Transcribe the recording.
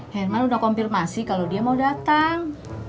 hermal udah konfirmasi kalau dia mau datang